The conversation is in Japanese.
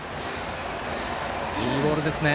いいボールですね。